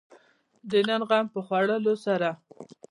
د نن د غم په خوړلو سره.